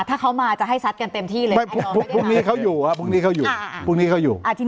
ถ้าเขามาจะให้ซัดกันเต็มที่เลยพรุ่งนี้เขาอยู่